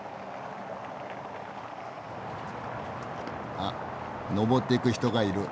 あっ上っていく人がいる。